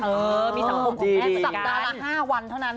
เออสัดสามในกว่าห้าวันเพื่อครับ